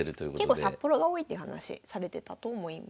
結構札幌が多いって話されてたと思います。